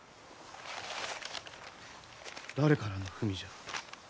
誰からの文じゃ。